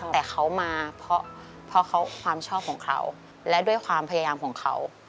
แต่เขามาเพราะเขาความชอบของเขาและด้วยความพยายามของเขา